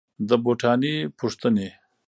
د بوټاني پوښتني